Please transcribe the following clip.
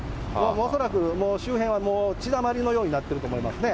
恐らく周辺はもう血だまりのようになっていると思いますね。